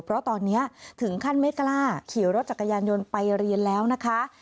เพราะตอนนี้ถึงขั้นไม่กล้าขี่รถจักรยานยนต์ไปเรียนแล้วนะคะ